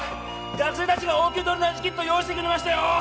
学生達が応急ドレナージキットを用意してくれましたよ！